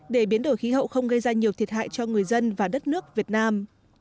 để biến đổi khí hậu không gây ra nhiều thiệt hại cho người dân và đất nước việt nam